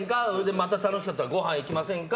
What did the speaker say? また楽しかったらごはん行きませんか。